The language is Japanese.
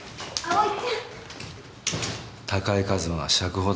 はい。